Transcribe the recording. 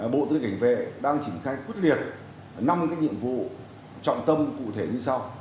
bộ tư lực cảnh vệ đang chỉnh khai quyết liệt năm nhiệm vụ trọng tâm cụ thể như sau